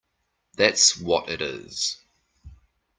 That’s what it is!